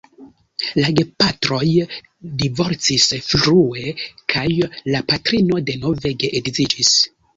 La gepatroj divorcis frue kaj la patrino denove geedziĝis.